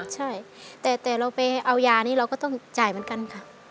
ใช่แต่เราไปเอายานี้เราก็ต้องจ่ายเหมือนกันค่ะ